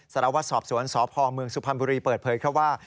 สรวสอบสวนสอบภองเมืองสุพรรณบุรีเปิดเผยเข้าว่า